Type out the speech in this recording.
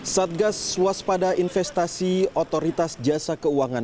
satgas waspada investasi otoritas jasa keuangan